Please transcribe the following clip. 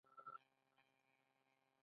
ایا زه پاکستان ته لاړ شم؟